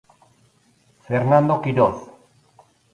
Fernando Quiroz.